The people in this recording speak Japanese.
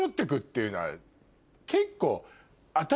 結構。